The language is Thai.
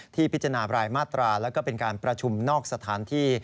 พิจารณารายมาตราแล้วก็เป็นการประชุมนอกสถานที่